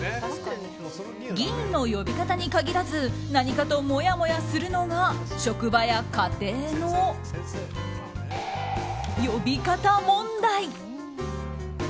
議員の呼び方に限らず何かともやもやするのが職場や家庭の呼び方問題。